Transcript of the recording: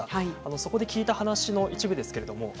そのときに聞いた話の一部です。